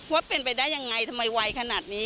ว่าเป็นไปได้ยังไงทำไมไวขนาดนี้